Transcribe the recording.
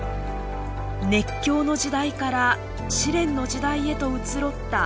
熱狂の時代から試練の時代へと移ろった３０年。